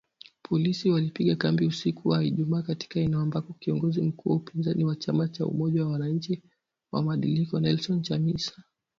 Polisi walipiga kambi usiku wa Ijumaa katika eneo ambako kiongozi mkuu wa upinzani wa chama cha Umoja wa Wananchi wa Mabadiliko, Nelson Chamisa.